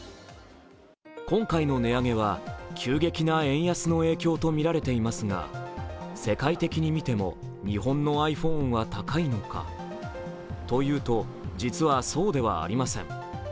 今回の値上げは急激な円安の影響とみられていますが世界的に見ても日本のｉＰｈｏｎｅは高いのかというと実はそうではありません。